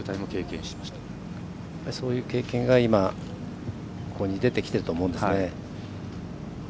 そういう経験が今ここに出てきてると思うんですね。